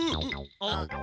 あっ。